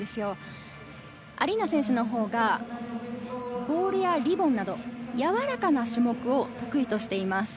アリーナ選手のほうがボールやリボンなど柔らかな種目を得意としています。